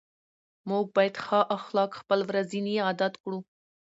موږ باید ښه اخلاق خپل ورځني عادت کړو